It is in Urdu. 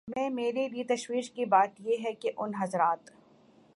میں میرے لیے تشویش کی بات یہ ہے کہ ان حضرات